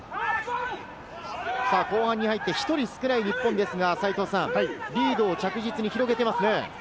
後半に入って１人少ない日本ですが、リードを着実に広げてますね。